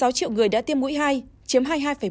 một mươi sáu triệu người đã tiêm mũi hai chiếm hai mươi hai một